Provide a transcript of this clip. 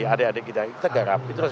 adik adik kita kita garap